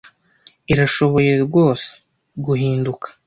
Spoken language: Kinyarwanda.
irashoboye rwose guhinduka